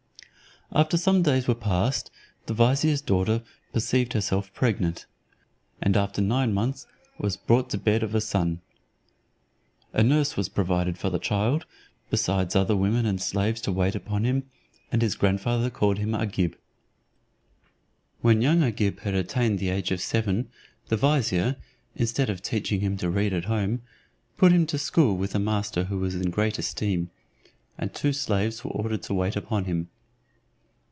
After some days were past, the vizier's daughter perceived herself pregnant, and after nine months was brought to bed of a son. A nurse was provided for the child, besides other women and slaves to wait upon him; and his grandfather called him Agib. When young Agib had attained the age of seven, the vizier, instead of teaching him to read at home, put him to school with a master who was in great esteem; and two slaves were ordered to wait upon him.